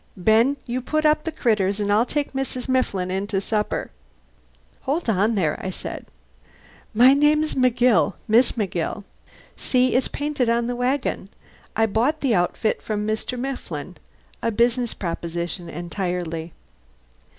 Ben, you put up the critters, and I'll take Mrs. Mifflin in to supper." "Hold on there," I said. "My name's McGill Miss McGill. See, it's painted on the wagon. I bought the outfit from Mr. Mifflin. A business proposition entirely."